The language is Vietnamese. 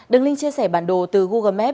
đường link chia sẻ bản đồ từ google